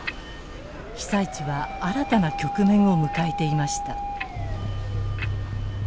被災地は新たな局面を迎えていました。